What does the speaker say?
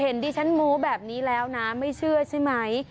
ดิฉันมู้แบบนี้แล้วนะไม่เชื่อใช่ไหม